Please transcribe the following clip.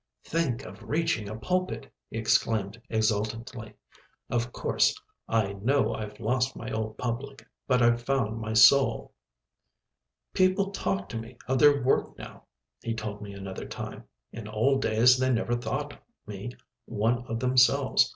"Think of reaching a pulpit," he exclaimed exultantly. "Of course, I know I've lost my old public but I've found my soul." "People talk to me of their work now," he told me another time; "in old days, they never thought me one of themselves.